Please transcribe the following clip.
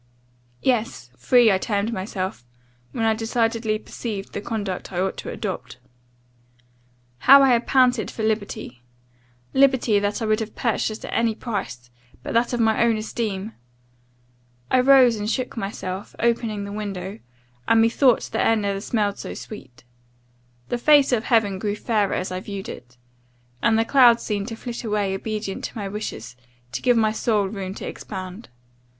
Yes; free I termed myself, when I decidedly perceived the conduct I ought to adopt. How had I panted for liberty liberty, that I would have purchased at any price, but that of my own esteem! I rose, and shook myself; opened the window, and methought the air never smelled so sweet. The face of heaven grew fairer as I viewed it, and the clouds seemed to flit away obedient to my wishes, to give my soul room to expand.